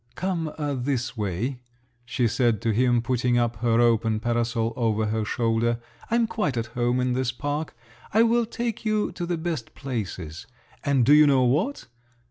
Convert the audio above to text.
"Come—this way," she said to him, putting up her open parasol over her shoulder. "I'm quite at home in this park; I will take you to the best places. And do you know what?